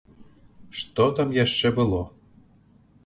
Што там яшчэ было?